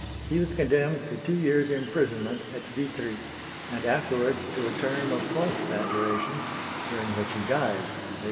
He was condemned to two years' imprisonment at Vitry, and afterwards to a term of twice that duration, during which he died, in 1812.